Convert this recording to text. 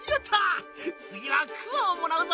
次はくわをもらうぞ！